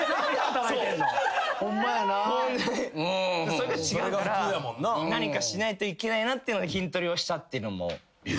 それが違うから何かしないといけないなっていうのが筋トレをしたっていうのもあるんですね。